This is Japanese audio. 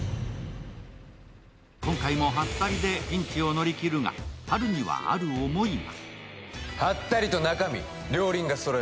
今回もハッタリでピンチを乗り切るがハルにはある思いが。